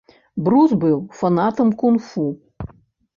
Брус быў фанатам кунг-фу.